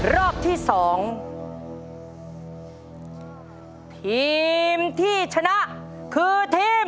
รอบที่สองทีมที่ชนะคือทีม